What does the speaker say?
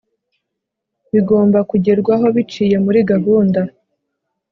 Bigomba kugerwaho biciye muri gahunda